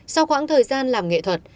sau khoảng thời gian làm nghệ thuật